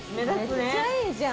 めっちゃいいじゃん。